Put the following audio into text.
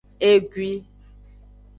Egui.